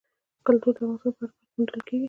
کلتور د افغانستان په هره برخه کې موندل کېږي.